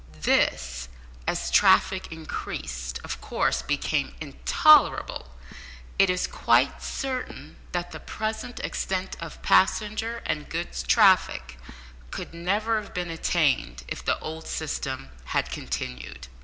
This, as traffic increased, of course became intolerable, and it is quite certain that the present extent of passenger and goods traffic could never have been attained if the old system had continued.